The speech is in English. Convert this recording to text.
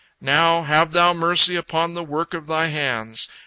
Now, have Thou mercy upon the work of Thy hands.